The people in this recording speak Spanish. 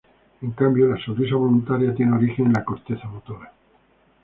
En cambio, la sonrisa voluntaria tiene origen en la corteza motora.